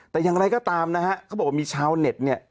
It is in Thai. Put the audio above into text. แต่อย่างไรก็ตามนะฮะเขาบอกว่ามีชาวเน็ตเนี่ย